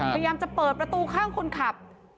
พยายามจะเปิดประตูข้างคนขับ